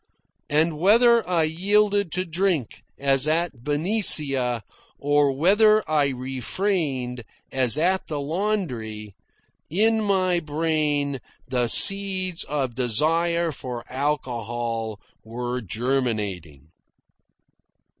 And whether I yielded to drink, as at Benicia, or whether I refrained, as at the laundry, in my brain the seeds of desire for alcohol were germinating.